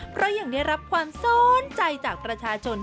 เพราะยังได้รับความสนใจจากประชาชน